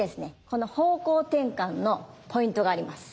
この方向転換のポイントがあります。